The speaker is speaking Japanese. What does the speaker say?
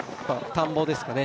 田んぼですかね